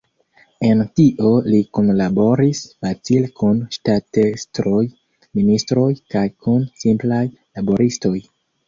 En tio li kunlaboris facile kun ŝtatestroj, ministroj kaj kun simplaj laboristoj.